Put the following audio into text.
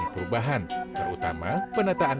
situ ciburui mengalami kecemasan